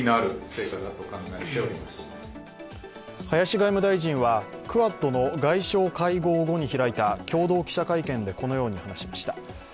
林外務大臣はクアッドの外相会合後に開いた共同記者会見でこのように話しました。